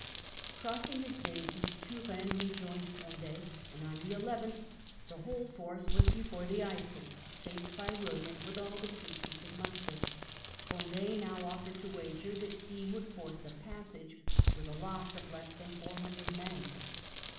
Crossing at Wesel, Turenne rejoined Cond6, and on the 20 6 Invasion of the United Provinces . 1672 . nth the whole force was before the Yssel, faced by William with all the troops he fcould muster. Condd now offered to wager that he would force a passage with a loss of less than four hundred men.